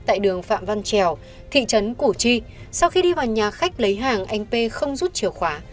tại đường phạm văn trèo thị trấn củ chi sau khi đi vào nhà khách lấy hàng anh p không rút chìa khóa